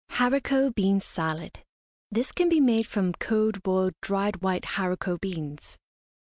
HARICOT BEAN SALAD. This can be made from cold, boiled, dried white haricot beans.